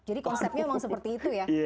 jadi konsepnya memang seperti itu ya